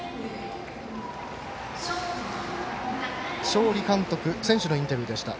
勝利監督、選手のインタビューでした。